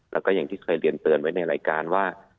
แล้วก็อย่างที่เคยเรียนเตือนไว้ในรายการว่า